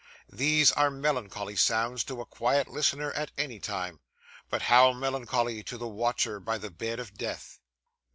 These are melancholy sounds to a quiet listener at any time; but how melancholy to the watcher by the bed of death!